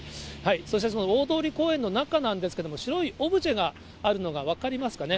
そしてその大通公園の中なんですけれども、白いオブジェがあるのが分かりますかね。